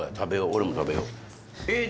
俺も食べよう。